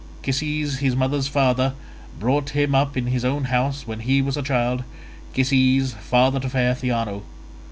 Cisses, his mother's father, brought him up in his own house when he was a child—Cisses, father to fair Theano.